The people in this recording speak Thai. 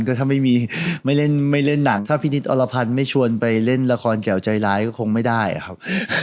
ก็ถ้าไม่เล่นหนังถ้าพี่นิดอลภัณฑ์ไม่ชวนไปเล่นละครแก่วใจร้ายก็คงไม่ได้ครับ